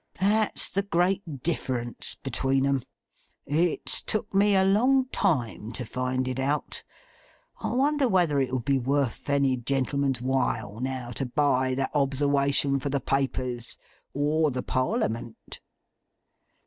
That's the great difference between 'em. It's took me a long time to find it out. I wonder whether it would be worth any gentleman's while, now, to buy that obserwation for the Papers; or the Parliament!